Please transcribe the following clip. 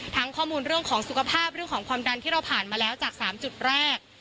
ข้อมูลเรื่องของสุขภาพเรื่องของความดันที่เราผ่านมาแล้วจาก๓จุดแรก